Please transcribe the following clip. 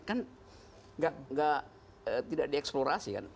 kan tidak dieksplorasi kan